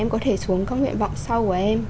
em có thể xuống các nguyện vọng sau của em